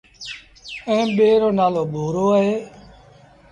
ائيٚݩ ٻي رو نآلو ڀورو اهي۔